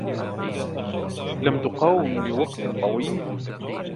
لم تقاوم لوقت طويل.